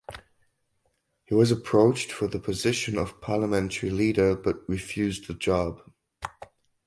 He was approached for the position of parliamentary leader but refused the job.